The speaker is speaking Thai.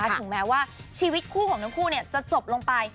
ถึงแม้ว่าชีวิตคู่ของทั้งคู่จะจบลงไป